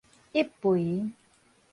挹肥